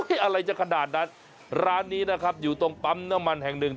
อะไรจะขนาดนั้นร้านนี้นะครับอยู่ตรงปั๊มน้ำมันแห่งหนึ่ง